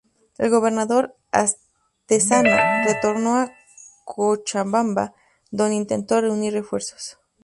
El gobernador Antezana retornó a Cochabamba, donde intentó reunir refuerzos.